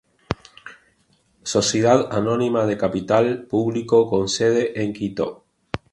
Sociedad Anónima de capital público con sede en Quito.